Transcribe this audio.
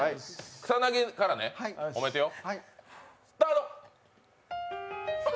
草薙からね、褒めてよ。